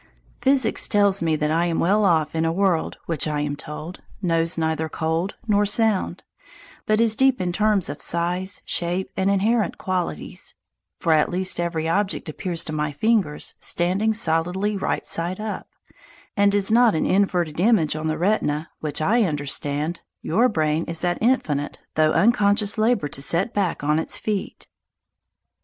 Physics tells me that I am well off in a world which, I am told, knows neither cold nor sound, but is made in terms of size, shape, and inherent qualities; for at least every object appears to my fingers standing solidly right side up, and is not an inverted image on the retina which, I understand, your brain is at infinite though unconscious labour to set back on its feet.